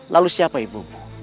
lalu siapa ibumu